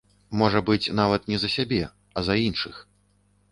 Можа быць, нават не за сябе, а за іншых.